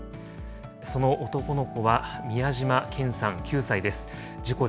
その男の子は美谷島健さん９歳です。